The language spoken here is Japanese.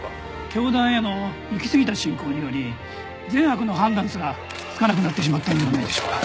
教団へのいきすぎた信仰により善悪の判断すらつかなくなってしまったのではないでしょうか。